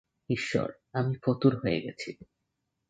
ঈশ্বর, আমি ফতুর হয়ে গেছি।